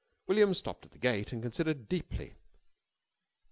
William stopped at the gate and considered deeply.